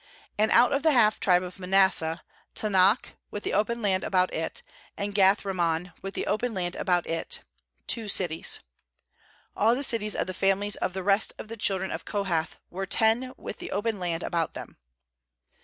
25And out of the half tribe of Manasseh, Taanach with the open land about it, and Gath rimmon with the open land about it; two cities. 26AH the cities of the families of the rest of the children of Kohath were ten with the open land about them.